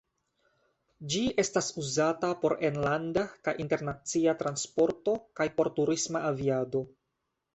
Ĝi estas uzata por enlanda kaj internacia transporto kaj por turisma aviado.